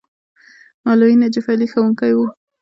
مولوي نجف علي ښوونکی وو.